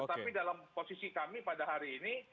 tetapi dalam posisi kami pada hari ini